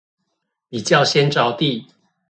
比較先著地